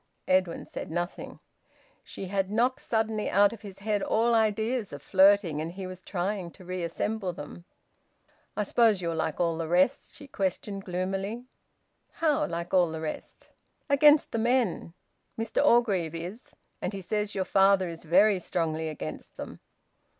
Edwin said nothing. She had knocked suddenly out of his head all ideas of flirting, and he was trying to reassemble them. "I suppose you're like all the rest?" she questioned gloomily. "How like all the rest?" "Against the men. Mr Orgreave is, and he says your father is very strongly against them."